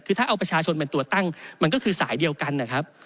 คือถ้าเอาประชาชนเป็นตัวตั้งมันก็คือสายเดียวกันนะครับ